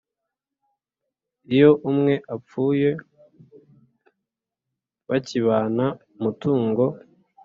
Iyo umwe apfuye bakibana umutungo